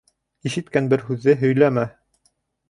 Ишеткән бер һүҙҙе һөйләмә.